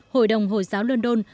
hội đồng hồi giáo london